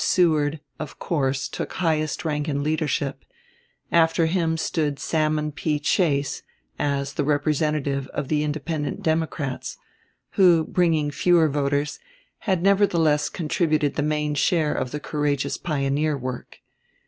Seward of course took highest rank in leadership; after him stood Salmon P. Chase as the representative of the independent Democrats, who, bringing fewer voters, had nevertheless contributed the main share of the courageous pioneer work.